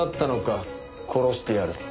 殺してやる」と。